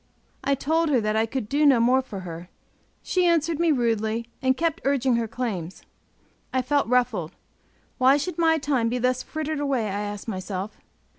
I told her that I could do no more for her; she answered me rudely, and kept urging her claims. I felt ruffled; why should my time be thus frittered away, I asked myself.